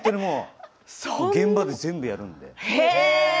現場で全部やるので。